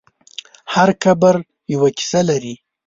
هر قبر یوه کیسه لري.